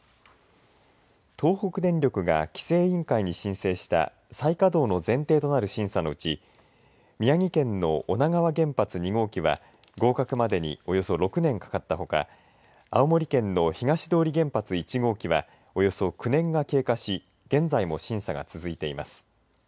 東北電力が規制委員会に申請した再稼働の前提となる審査のうち宮城県の女川原発２号機は合格までにおよそ６年かかったほか青森県の東通原発１号機はおよそ９年が経過し現在も審査が続いています。